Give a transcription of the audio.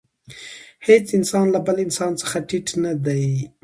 هېڅ انسان له بل انسان څخه ټیټ نه دی.